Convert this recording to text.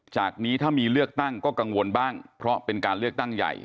จากนี้ถ้ามีเลือกตั้งก็กังวลบ้างเพราะเป็นการเลือกตั้งใหญ่